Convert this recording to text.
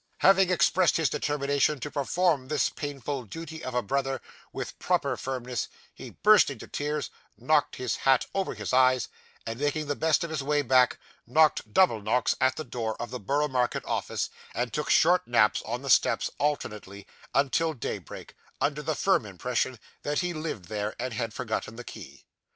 Having expressed his determination to perform this painful duty of a brother with proper firmness, he burst into tears, knocked his hat over his eyes, and, making the best of his way back, knocked double knocks at the door of the Borough Market office, and took short naps on the steps alternately, until daybreak, under the firm impression that he lived there, and had forgotten the key.